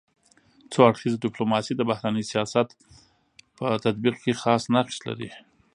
څو اړخیزه ډيپلوماسي د بهرني سیاست په تطبیق کي خاص نقش لري.